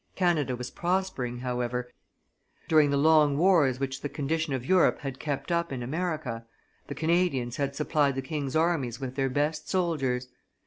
Canada was prospering, however; during the long wars which the condition of Europe had kept up in America, the Canadians had supplied the king's armies with their best soldiers.